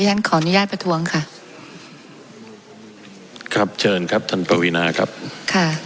ฉันขออนุญาตประท้วงค่ะครับเชิญครับท่านปวีนาครับค่ะ